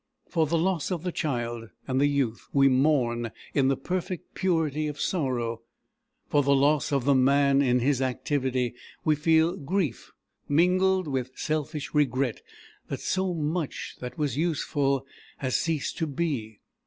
For the loss of the child and the youth we mourn in the perfect purity of sorrow; for the loss of the man in his activity we feel grief mingled with selfish regret that so much that was useful has ceased to be.